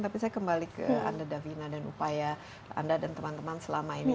tapi saya kembali ke anda davina dan upaya anda dan teman teman selama ini